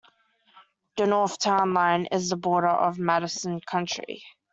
The north town line is the border of Madison County.